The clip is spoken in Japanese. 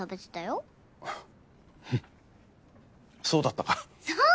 そうだよ！